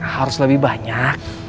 harus lebih banyak